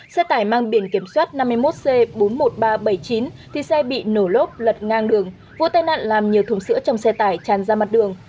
xe tải mang biển kiểm soát năm mươi một c bốn mươi một nghìn ba trăm bảy mươi chín thì xe bị nổ lốp lật ngang đường vụ tai nạn làm nhiều thùng sữa trong xe tải tràn ra mặt đường